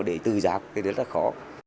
để tư giáp thì rất là khó